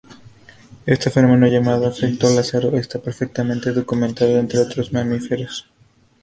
Este fenómeno, llamado efecto lázaro, está perfectamente documentado entre otros mamíferos.